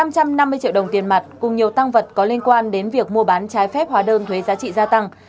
năm trăm năm mươi triệu đồng tiền mặt cùng nhiều tăng vật có liên quan đến việc mua bán trái phép hóa đơn thuế giá trị gia tăng